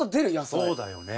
そうだよね。